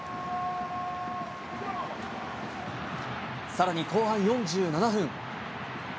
さらに後半４７分。